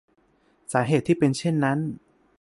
สาเหตุที่เป็นเช่นนั้น